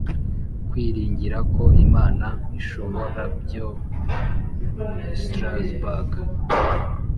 kwiringira ko Imana Ishoborabyo i Strasbourg